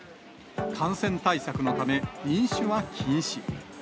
感染対策のため、飲酒は禁止。